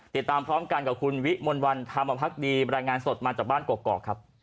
ติดตามพร้อมกันของคุณวิหมลวันทำบ่พักดีรายงานสดมาจากบ้านกรอกกรอกครับ